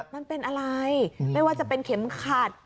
มันเป็นอะไรไม่ว่าจะเป็นเข็มขัด